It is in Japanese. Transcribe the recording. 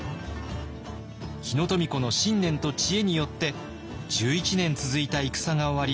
日野富子の信念と知恵によって１１年続いた戦が終わり平和が戻ったのです。